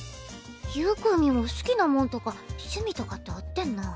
ゆーくんにも好きなもんとか趣味とかってあってんな。